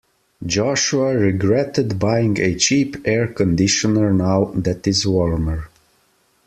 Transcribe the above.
Joshua regretted buying a cheap air conditioner now that it was warmer.